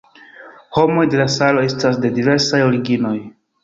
Homoj de la Saharo estas de diversaj originoj.